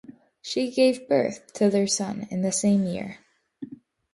She gave birth to their son in the same year.